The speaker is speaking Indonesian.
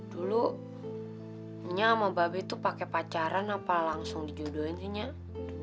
dulu nyiak sama babi tuh pake pacaran apa langsung dijodohin sih nyiak